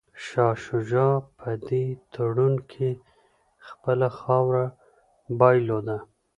شاه شجاع په دې تړون کي خپله خاوره بایلوده.